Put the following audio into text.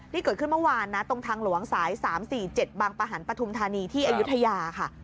นี่เกิดขึ้นเมื่อวานนะตรงทางหลวงสาย๓๔๗บางประหันปฐุมธานีที่อายุทยาค่ะ